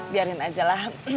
biarin aja lah